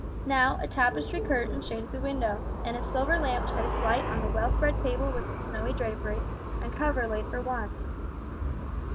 Now, a tapestry curtain shaded the window, and a silver lamp shed its light on the well spread table with its snowy drapery, and cover laid for one.